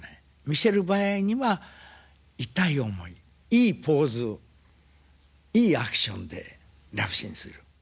見せる場合には痛い思いいいポーズいいアクションでラブシーンする。